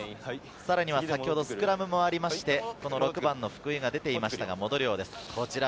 さらには先ほどスクラムもありまして６番・福井が出ていましたが戻ります。